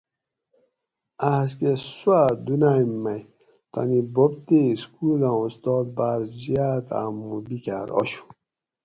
آسکہ سوا دنائے مے تانی بوب تے سکولاں استاد بار زیاد آمو بِکھار آشو